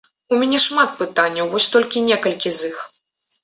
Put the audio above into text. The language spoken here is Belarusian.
У мяне шмат пытанняў, вось толькі некалькі з іх.